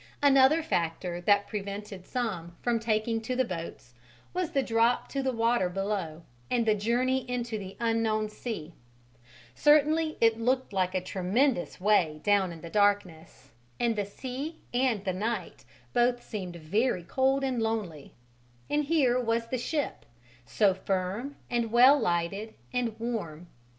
Another factor that prevented some from taking to the boats was the drop to the water below and the journey into the unknown sea: certainly it looked a tremendous way down in the darkness, the sea and the night both seemed very cold and lonely; and here was the ship, so firm and well lighted and warm.